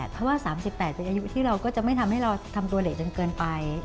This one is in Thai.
เพราะว่า๓๘เป็นอายุที่เราก็จะไม่ทำให้เราทำตัวเหละจนเกินไป